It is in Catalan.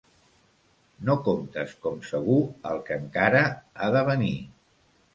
No comptes com segur el que encara ha de venir.